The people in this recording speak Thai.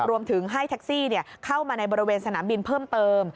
รวมถึงให้แท็กซี่เข้ามาในบริเวณสนามบินเพิ่มเติม